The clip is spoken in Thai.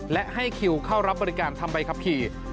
และให้คิวเข้ารับบริการทำใบขับขี่